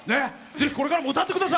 ぜひこれからも歌って下さい。